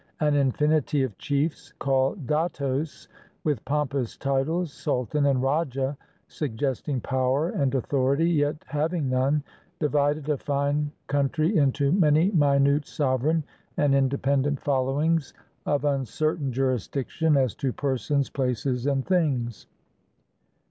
An infinity of chiefs called dattos, with pompous titles — sultan and rajah — suggesting power and authority, yet having none, divided a fine country into many minute sovereign and independent followings, of uncertain juris diction as to persons, places, and things.